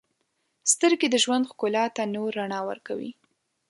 • سترګې د ژوند ښکلا ته نور رڼا ورکوي.